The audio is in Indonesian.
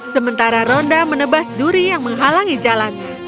sementara ronda menebas duri yang menghalangi jalannya